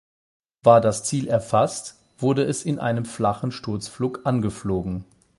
War das Ziel erfasst, wurde es in einem flachen Sturzflug angeflogen.